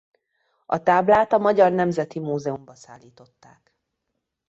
A táblát a Magyar Nemzeti Múzeumba szállították.